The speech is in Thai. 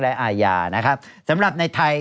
และอาญานะครับสำหรับในไทย